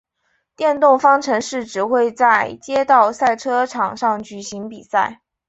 电动方程式只会在街道赛车场上举行比赛。